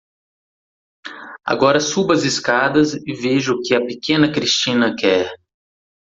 Agora suba as escadas e veja o que a pequena Christina quer.